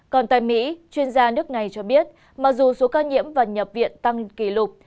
còn tại mỹ chuyên gia nước này cho biết mặc dù số ca nhiễm và nhập viện tăng kỷ lục